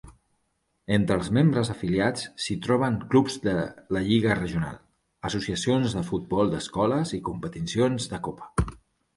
Entre els membres afiliats s'hi troben clubs de la Lliga Regional, associacions de futbol d'escoles i competicions de copa.